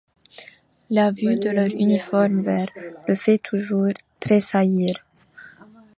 La vue de leur uniforme vert le fait toujours tressaillir.